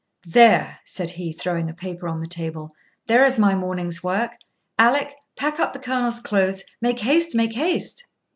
'There,' said he, throwing a paper on the table, 'there is my morning's work. Alick, pack up the Colonel's clothes. Make haste, make haste.'